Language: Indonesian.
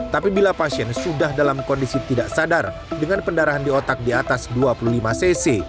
tapi bila pasien sudah dalam kondisi tidak sadar dengan pendarahan di otak di atas dua puluh lima cc